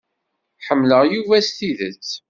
Ḥemmleɣ Yuba s tidet.